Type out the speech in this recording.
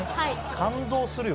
感動するよ